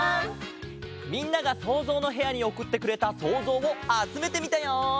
みんなが「そうぞうのへや」におくってくれたそうぞうをあつめてみたよ！